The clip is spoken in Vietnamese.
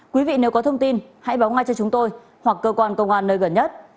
quý vị nếu có thông tin hãy báo ngay cho chúng tôi hoặc cơ quan công an nơi gần nhất